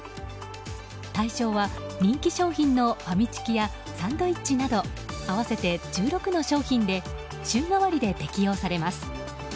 対象は人気商品のファミチキやサンドイッチなど合わせて１６の商品で週替わりで適用されます。